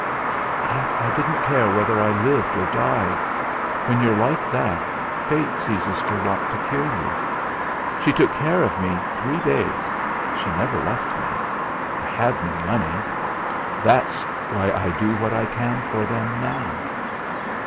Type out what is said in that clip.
"I didn't care whether I lived or died. When you're like that, Fate ceases to want to kill you. She took care of me three days she never left me. I had no money. That's why I do what I can for them, now."